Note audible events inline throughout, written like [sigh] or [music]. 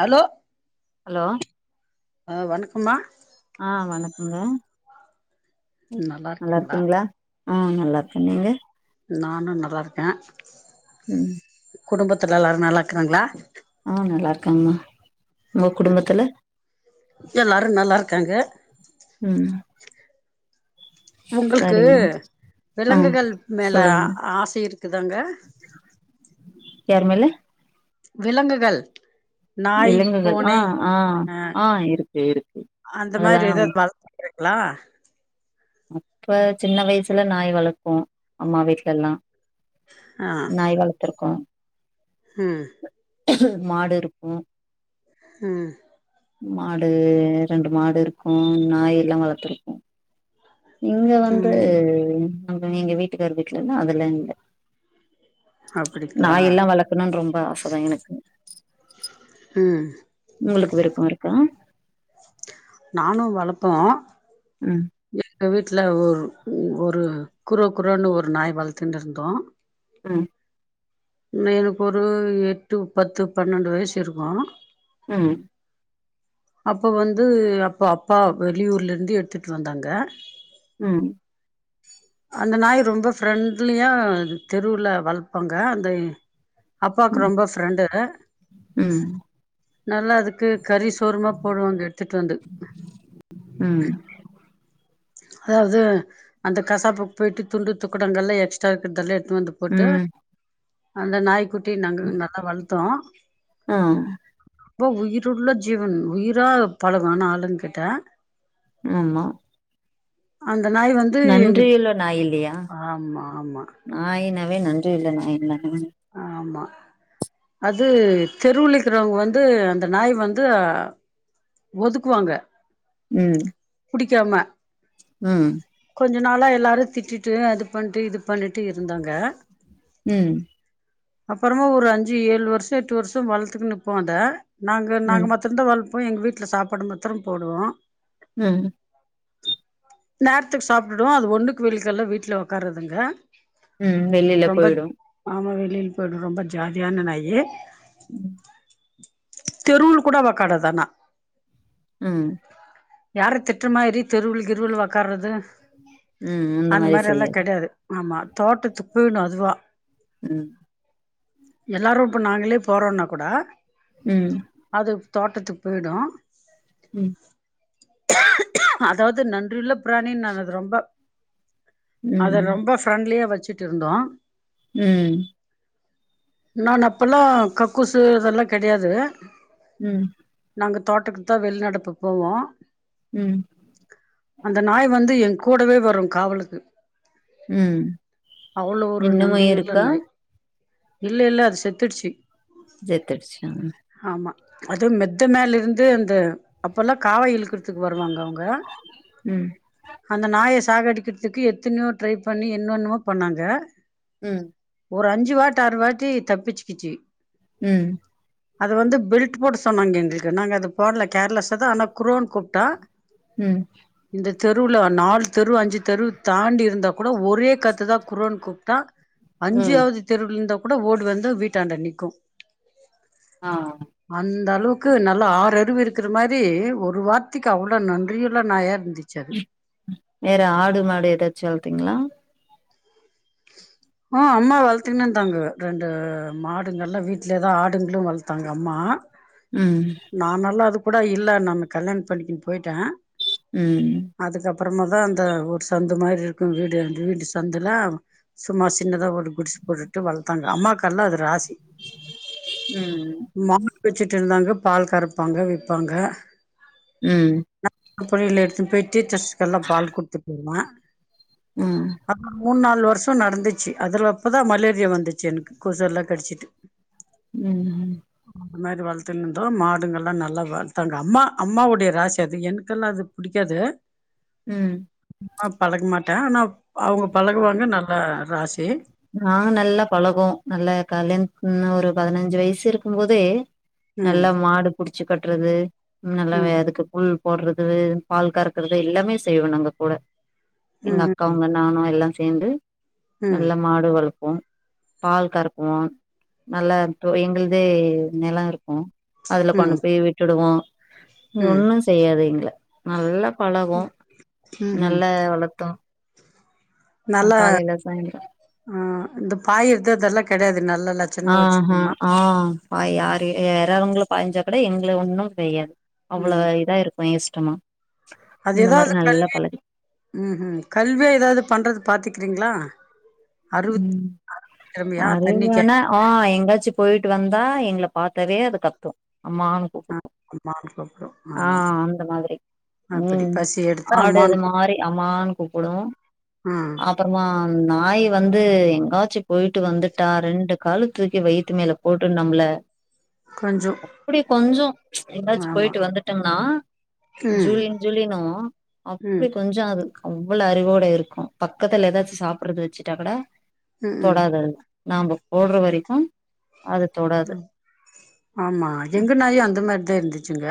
Hello hello ஆ வணக்கம்மா ஆஹ் வணக்கங்க நல்லா இருக்கீங்ளா ஆஹ் நல்லா இருக்கே நீங்க நானு நல்லார்க்கே உம் குடும்பத்துல எல்லாரு நல்லா இருக்குறாங்குளா ஆஹ் நல்லா இருக்காங்மா உங்க குடும்பத்துல எல்லாரு நல்லாருக்காங்க உம் உங்கள்க்கு ஆ விலங்குகள் மேல சொல்லுங்க ஆ ஆசை இருக்குதாங்க யார் மேல விலங்குகள் நாய் விலங்குகள் பூனை ஆஹ் ஆஹ் ஆ ஆஹ் இருக்கு இருக்கு அதெல்லாம் ளா அப்ப சின்ன வய்சுல நாய் வளர்ப்போ அம்மா வீட்லெல்லா நாய் வளத்துருக்கோம் உம் மாடு இருக்கும் உம் மாடு ரெண்டு மாடு இருக்கும் நாயெல்லா வளத்திருக்கோம் இங்க வந்து ம் அவுங்க எங்க வீட்டுக்காரர் பெட்ல்லா அதெல்லா இல்ல அப்டிங்களா நாயில்லா வளக்கணும்னு ரொம்ப ஆச தா எனக்கு ம் உங்குளுக்கு விருப்பம் இருக்கா நானும் வளப்ப அ எங்க வீட்ல ஒரு ஒரு க்கோரோ க்கோரோன்னு ஒரு நாய் வளத்ந்துருந்தோ ஆ மேல்பொரு ஒரு எட்டு பத்து பன்னெண்டு வயசு இருக்கு ம் அப்போ வந்து அப்ப அப்பா வெளியூர்ல இருந்து எடுத்துட்டு வந்தாங்க ம் அந்த நாய் ரொம்ப ஃப்ரெண்ட்லியா அது தெருவுல வளப்பாங்க அந்த அப்பாக்கு ம் ரொம்ப ஃப்ரெண்டு ம் நல்லா அதுக்கு கரி ஒழுங்கா போடுவாங்க எடுத்துட்டு வந்து ம் அதாவது அந்த கசாப்புக்கு போயிட்டு துண்டு துக்கடங்கல்லா எக்ஸ்ட்ரா இருக்குதல்ல எடுத் டுத்து வந்து போட்டா ம் அந்த நாய் குட் ட்டி நாங்க நல்லா வளத் தோ ஆஹ் அப்ப உயிருள்ள ஜீவன் உயிரா பழகும் ஆளுன்ங்கிட்ட ஆமா அந் நன்றியுள்ள நாய் இல்லியா ஆமா ஆமா நாயினாவே நன்றி நன்றியுள்ள நாய் தான் உம் ஆமா அது தெருவுழ் நிக்கிறவங்க வந்து அந்த நாய் வந்து ஒதுக்குவாங்க உம் புடிக்காம உம் கொஞ்ச நாளா எல்லாரு திட்டிட்டு அது பண்ட்டு இது பண்ணிட்டு இருந்தாங்க உம் அப்பறோமா ஒரு அஞ்சு ஏழு வருஷோ எட்டு வருஷோ வளத்துக்குன்னுருக்கோ அத நாங்க நாங்க ம் மட்டுந்தா வலத் போய் எங்க வீட் ல சாப்பாடு மத்துரோ போடுவோ ஹ்ம் நேரத்துக்கு சாப்பிடிடொ அது ஒண்ணுக்கு வெலிக்கெல்லா வீட்ல உக்காறதுங்க உம் வெளில போயிடு ளில போய்டு ரொம்ப ஜாலியான நாயி ம் தெருவுள கூட ஒக்காறாது ஆனா உம் யார திட்ட மாரி தெருவுள கிருவுள உக்காறது உம் இந்த அந்த மாரி எல்லா செய்யாது கெடையாது ஆமா தோட்டத்துக்கு போயுணு அதுவா உம் எல்லாரு இப்ப நாங்களே போறோனா கூட உம் அது தோட்டத்துக்கு போய்டு உம் அதாவது நன்றியுள்ள பிராணி நான் அது ரொம்ப ம் அத ரொம்ப ஃப்ரெண்ட்லியா வச்சு சுட்டு இருந்தோ உம் நான் அப்பெல்லா கக்கூசு இதெல்லா கெடையாது உம் நாங்க தோட்டக் அத்த வெளிநடப்பு போவோ ம் அந்த நாய் வந்து எங்க் கூடவே வரு காவலுக்கு உம் அவ்ளோ ஒரு இன்னுவு நன்றியுள்ள இருக்கா நாய் இல்ல இல்ல அது செத்துடுச்சு ஜெத்துடுச்சா அதும் மெத்த மேல இருந்து அப்பல்லா காவ இழுக்குற்துக்கு வர் வருவாங்க அவ்ங்க ம் அந்த நாயஸ் சாக அடிக்கிற்துக்கு எத்தனையோ ட்ரை பண்ணி என்னொன்மோ பண்ணாங்க ம் ஒரு அஞ்சு வாட் ஆறு வாட்டி தப்பிச்சுகிச்சு ம் அது வந்து பெல்ட் போட சொன்னாங்க எங்ளுக்கு நாங் அது போட்ல கேர்லஸதா அன குரோன் கூப்ட்டா ம் இந்த தெருவ்ல நாலு தெரு அஞ்சு தெரு தாண்டி இருந்தா கூட ஒரே கத்து தா குரோன் கூப்ட்டா ம் அஞ்சியாவ்து தெருவ்ல இருந்தா கூட ஓடு வந்து வீட்டாண்ட நிக்கு ஆ அந்த அளுவுக் கு நல்லா ஆறற் றிவு இருக்குறு மாரி ஒரு வார்த்திக்கு அவ்ளோ நன்றி உள்ள நாயா இருந் வேற ஆடு மாடு எதாச்சு திங்ளா ஓ அம்மா வள்த்தின்னு இந்தாங்க ரெண்டு மாடுங்கல்லாம் வீட்டுல தா ஆடுங்ளு வள்த்தாங்க அம்மா ம் நானல்லா அதுக் கூட இல்ல நம்ம கல்யாண பண்க்கின் பொய்ட்ட ம் அப்புறமாதா அந்த ஒர் சந்து மாரி இருக்கு வீடு அந்த வீடு சந்துல்லா சும்மா சின்னதா ஒரு குடிச போட்டுட்டு வள்த்தாங்க அம்மாக்கல்லா அது ராசி ம் வெச்சுட்ருந்தாங்க பால் கறப்பாங்க விப்பாங்க ம் அப்பற இத்ல எடுத்து பொய் டீச்சஸ்க்கெல்லா பால் குடுத்துட்டும ம் மூண் நாலு வர்ஷ நட்ந்துச்சு அதுல அப்பதா மலேரியா வந்துச்சு எனக்கு கொசு எல்லா கடிச்சிட்டு ம் ம் அம்மேரி வள்த்துன்னு ப்றோ மாடுங்கல்லா நல்லா வள்த்தாங்க அம்மா அம்மாவுடைய ராசி அது என்க்கல்லா அது புடிக்காது ம் ஆ பழக்மாட்ட ஆனா அவ்ங்க பழகுவாங்க நல்லா ராசி நாங் நல்லா பழகுவோ நல்ல கல்யாண்த் முன்ன ஒரு பதுனஞ்சு வய்சு இருக்கும்போதே ம் நல்ல மாடு புடிச்சு கட்றது ம் நல்லவே அதுக்கு புல் போட்றது பால் கறக்குறது எல்லாமே செய்வ நாங்க கூட எங்க ம் அக்கா ம் உங்க நானு எல்லாம் சேந்து ம் நல்லா மாடு வளப்போ பால் கறக்குவோ நல்லா எங்கள்து நெலோ இருக் கு அதுல கொண்டு ம் போய் விட்டுடுவோ ம் ஒண்ணு செய்யாது எங்கள நல்லா பழகும் ம் ம் நல்ல வளத்தோ ஆ நல்லா காலையில சாங் ஆ இந்த பாயிறது அதெல்லா கெடையாது நல்ல லட்சணமா ஆஹா வச்சுக்குமா ஆ பாயா யாரு யாருவங்கள பாஞ்சா கூட எங்கள ஒன்னும் செய்யாது அவ்ளோ ம் இத இருக் பயஷ்டமா அது எதாவது கல்வி ம்ம் கல்வியா எதாவது பண்றது பாத்துக்கிறீங்ளா ம் தண்ணி கே அறிறனா ஆ எங்காச்சு போயிட்டு வந்தா எங்கள பாத்தவே அது கத்து அம்மானு ஆ கூப்டு அம்மான்னு கூப்டு ஆ ஆமா அந்த மாதிரி அப்படி உம் பசி எடுத்தா அம்மான்னு ஆடுது கூப் மாதிரி அமான்னு கூப்பிடு ஆ அப்றமா ஆய வந்து எங்காச்சு போயிட்டு வந்துட்டா ரெண்டு கலுத்துக்கி வெய்த்து மேல போட்டு நம்ல கொஞ்சோ அப்டி கொஞ்சு எதாச்சு ஆமா போயிட்டு வந்துட்டோம்ன்னா ம் ஜூலின் ஜூலினு ம் அப்டி கொஞ்சு அது அவ்ள அறிவோட இருக்கு பக்கத்துல ஏதாச்சு சாப்றது வெச்சு ச்சுட்டாக்கூட ம் தொடாது அது நம்ப போடுற வரைக்கு அது தொடாது ஆமா எங்க நாயு அந்த மாரிதா இருந்துச்சுங்க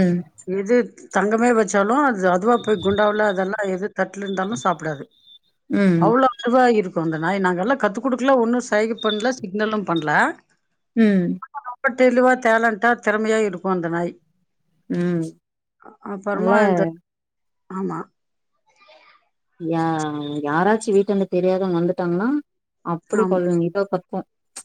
ம் இது தங்கமே வச்சாலு அது அதுவா போய் குண்டால அதெல்லா எதுவு தட்ல இருந்தாலு சாப்டாது ம் அவ்ளோ [inaudible] இருக் கு அந்த நாய் நாங்க எல்லா கத்து குடுக்ல ஒன்னு சைக பண்ணல சிக்னலு பண்ணல ம் ப்பட்ட இதுவா டேலண்டா தெறமயா இருக்கு அந்த நாய் ம் அ நல்ல அப்புறமா இந்த ஆமா யா யாராச்சு வீட்டான்ட தெரியாதவ வந்துட்டாங்னா அப்பிடி கொ ஆம், [unintelligible] இத கத்தோ ச்ச்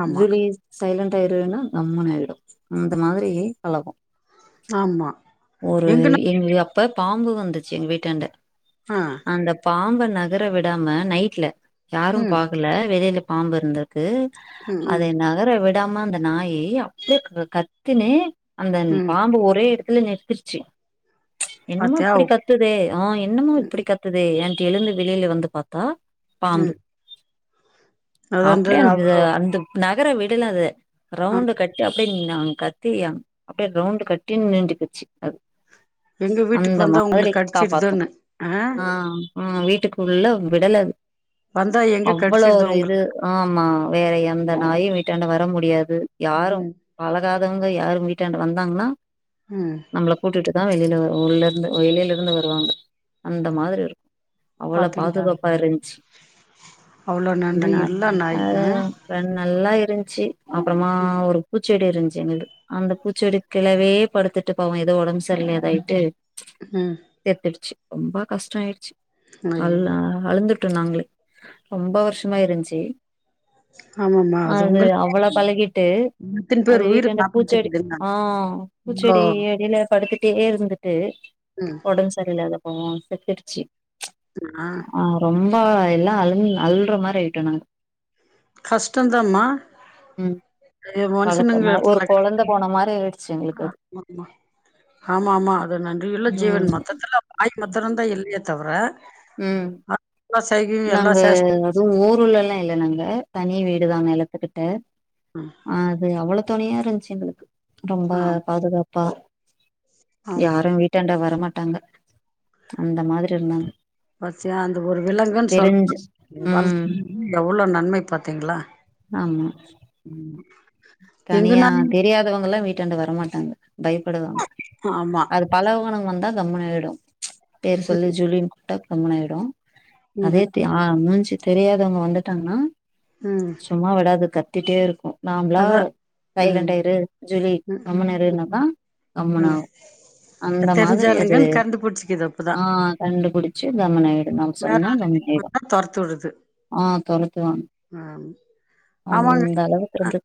ஆமா, ஜூலி சைலண்ட்டா இருன்னா கம்முனு ஆய்டு ம் அந்த மாதிரி பலகோ ஆமா. ஒரு எங்க நா எங்ளு அ இப்ப பாம்பு வந்துச்சு எங்க வீடாண்ட ஆ, அந்த பாம்ப நகர விடாம நைட்ல யாரு ம், போகல வெளில பாம்பிருந்து ருக்கு ம், ம், அதே நகர வி விடாம அந்த நாயி அப்டி க கத்தினு அந்த ந ம். பாம்பு ஒரே எடத் ல நிர்த்‌திருச்சு என்னமோ பாத்தியா? இப்படி கத்துதே அ என்னமோ அப்டி கத்துதே ஏன் எழுந்து வெளில வந்து பாத்தா பாம்பு ம். அது வந்து அப்டே அந் அவ்ளோ அந்த நகர விடல அது ஆ ரவுண்டு கட்டி அப்டே [unintelligible] கத்தி அங் அப்டே ரவுண்ட்டு கட்டின் நின்டுக்குச்சு அது எங்க வீட்டுக்கு வந்தா உங்ள கட்ச்சிருதுன்னு அ அ அ அ வீட்டுக் உள்ள விடலது வந்தா எங்க அவ்வளோ கடிச்சிடுதோ ஒரு உங்கள? இது ஆமா வேற எந்த நாயு வீட்டாண்ட வர முடியாது து யாரு ம் பலகாதவங்க யாரு வீ ட்டான்ட வந்தாங்கன்னா ம் நம்ள கூட்டிட்டுதா வெளில வ உள்ளர்ந்து வெளில இருந்து வருவாங்க அந்த மாதிரி இருக்கு அவ்வள பாத்தீங்களா பாதுகாப்பா இருந்ச்சு அவ்ளோ அந்த நன்றி நாய் இல்ல ஆ அ நல்லா இருந்ச்சு அப்புறமா ஒரு பூச்செடி இருந் ருந்தது அந்த பூச்செடிக்கிலவே படுத்துட்டு போவம் ஏதோ உடம்பு செரியில்ல இதாயிட்டு ம் செத்துடுச்சு ரொம்ப கஷ்டம் ஆயிடுச்சு அல்லா ஐயயோ அழுந்து விட்டோ நாங்களே ரொம்ப வருஷமா இருந்துச்சு ஆமாமா அது உங்களுக்கே அவ்ளோ பழகிட்டு இத்தன அது பேர் உயிர வீட்டுந்த பூச்செடி காப்பாத்திருக்குதுங்க ஆஹ் இவ்ளோ பூச்செடி அடியில படுத்து டே இருந்துட்டு ம் உடம்பு செரியில்லாத போ செத்துருச்சு ச்சு ஆ ஆஹ் ரொம் ரொம்ப எல்லா அலுஅல்ற மாரி ஆயிட்டோம் நாங்க கஷ்டதமா ம் மனுஷனுங்க வளத்தனா ஒரு கொழந்த போன மாரி ஆயிடுச்சு எங்களுக்கு அது ஆமா ஆமா அது நன்றிள்ள ம் ஜீவன் மொத்தத்துல மத்திரந்த இல்லயேத்தவர உம் எல்லா நாங்க சேஷ்டையு அதுவு ஊர்லல்லா இல்ல நாங்க [unintelligible] தனி வீடு தா நிலத்துக்கிட்ட ம் அது அவ்வளோ துணையா இருந்துச்சு எங்களுக்கு ரொம்ப ஆ பாதுகாப் ப ஆமா யாரு வீட்டாண்டா வரமா ட்டாங்க அந்த மாதிரி இருந்தாங்க பச்சியாந்து ஒரு விலங்குன்னு சொல் தெரிஞ்சு ம் வளத்து எவ்ளோ நன்மை பாத்தீங்களா ஆமா தனியா எங்கனாலு தெரியாதவங்கல்லா வீ ட்டாண்ட வர மாட்டாங்க பயப்படுவாங்க ஆமா அது பழகானவங்க வந்தா கம்முனு ஆயிடும் ச்சு பேர் சொல்லி ஜூலின் கூ டா கம்முனாய்டு அதே ம் தா மூஞ் சி தெரியாதவங்க வந்துட்டாங்கன்னா ம் சும்மா விடாது க டுட்டே இருக்கு நாம்ளா அதா ம் சைலண்ட்டா இரு ஜுலி ம் ம் கம்முனு இருன்னாதா ம் கம்முனு ம் ஆவு அந்த மாதிரி அது தெரிஞ்சாளுங்கன்னு கண்டுபுடிச்சிக்குது அப்பதா ஆ கண்டுபுடிச்சு கம்முனு ஆய்டு நம்ம வேற சொன்னா கம்முன் ஆளுங்களுக்கு ஆய்டு வந்தா தொரத்தி விடுது ஆ தொரத்துவாங் ம் ஆமாங்க அந்தளவுக்கு இருந்து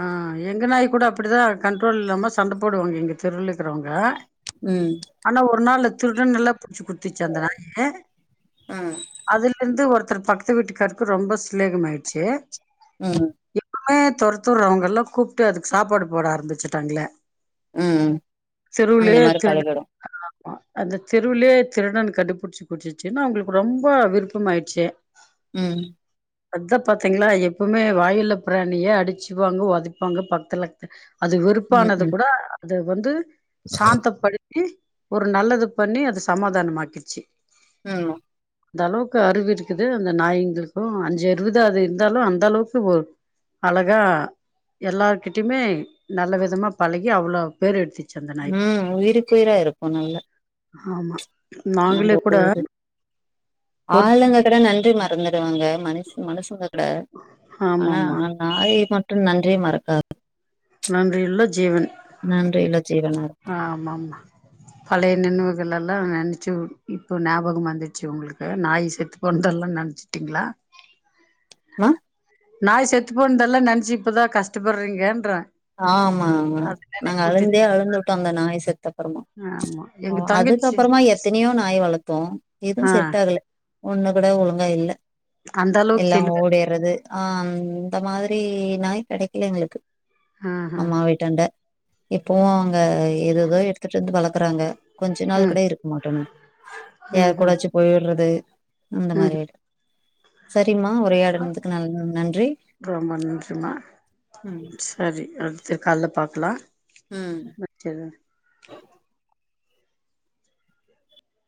ஆ எங்க நாய் கூட அப்டிதா கண்ட்ரோல் இல்லாம சண்ட போடுவாங்க எங்க தெருவ்ல இருக்குறவங்க ம் ஆனா ஒரு நாளு துருடன்னல்லா புச்சு குத்துச்சு அந்த நாயே ம் அதுலேர்ந்து ஒர் த்தர் பக்கத்து வீட்டுக்காருக்கு ரொம்ப ஸ்லேகம் ஆயிட்ச்சி ம் [unintelligible] தொர்த்துர்றவங்க எல்லா கூப்ட்டு அதுக்கு சாப்பாடு போட ஆரம்பிச்சுட்டாங்களே ம் அந்த தெருவுலயே மாரி திருடன் பழகிடு அந்த தெருவுலே திருடன கண்டுபிடிச்சு குடுச்சினு அவுங்களுக்கு ரொம்ப விருப்பமாயிருச்சு ம் அதா பாத்திங்களா எப்பவுமே வாயுள்ள பிராணிய அடி ச்சுப்பாங்க உதைப்பாங்க பக்கத்துல அது ம் வெறுப்பானது ம் குட அத வந்து சாந்த படி ஒரு நல்லது பண்ணி அது சமாதானம் ஆக்கிருச்சு ம் அந்த அளவுக்கு அறிவிருக்குது அந்த நாய்ங்களுக்கு அஞ்சு அறிவு தா அது இருந்தாலு அந்த அளவுக்கு ஒரு அழ தா எல்லார்கிட்டயுமே நல்ல விதமா பழகி அவ்வளோ பேர் எடுத்தி ம் உயிருக்கு உயிரா இருக்கு நல்ல ஆமா நம்போ நாங்களே கூட [inaudible] ஒரு ஆளுங்க கட நன்றி மறந்துருவாங்க மனு சு மனுசு வ ட ஆனா ஆமாம்மா நாய் மட்டு நன் றியே மறக்காது நன்றியுள்ள ஜீவன் நன்றியுள்ள ஜீவனா ஆமாமா பழைய நினைவுகள்லா லா நெனச்சு இப்ப ஞாபகம் வந்துச்சு உங்களுக்கு நாய் செத்து போனதெல்லா நெனச்சுட்டீங்களா அ நாய் செத்து போன்தெல்லா நெனச்சு இப்பதா கஸ்டப்பட்றீங்கன்ற ஆமா ஆமா நாங்க அழுந்தே அழுந்துட்டோம் அந்த நாய் செத்த அப்பறமா ஆமா எங்க தங்கச்சி அதுக்கப்பறமா எத்தனையோ நாய் வளர்த்தோம் எதுவும் ஆ செட் ஆகல ஒண்ணு கூட ஒழுங்கா இல்ல அந்த அளவுக்கு எல்லாம் தெளிவா ஓடிறது ஆ அந்த மாரி ரி நாய் கிடைக்கல எங்களுக்கு ஆஹா அம்மா வீட்டாண்டா இப்பவு அங்க ஏததோ எடுத்துட்டு வந்து வளர்க்குறாங்க கொஞ்சம் நாள் ம் கூட இருக்க மாட்டோன்னு ம் யார் ம் கூடாச்சு போய்ட்றது அந்த ம் மாரி வீடு சரி சரியுமா உரையாடனதுக்கு நல் நன்றி ரொம்ப நன்றிமா ம் சேரி கால்ல பாக்கலாம் ம்